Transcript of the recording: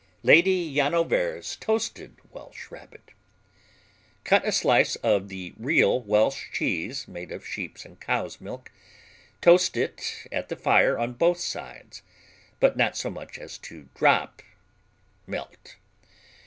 Lady Llanover's Toasted Welsh Rabbit Cut a slice of the real Welsh cheese made of sheep's and cow's milk; toast it at the fire on both sides, but not so much as to drop (melt).